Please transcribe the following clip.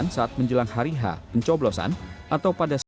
tentukan saat menjelang hari h pencoblosan atau pada saat